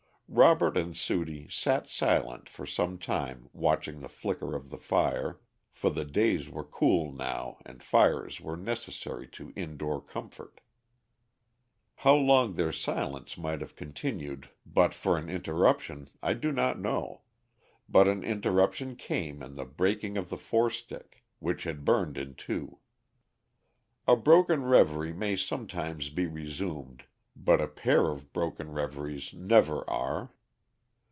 Robert and Sudie sat silent for some time watching the flicker of the fire, for the days were cool now and fires were necessary to in door comfort. How long their silence might have continued but for an interruption, I do not know; but an interruption came in the breaking of the forestick, which had burned in two. A broken reverie may sometimes be resumed, but a pair of broken reveries never are.